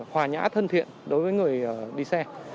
hòa nhã thân thiện đối với người đi xe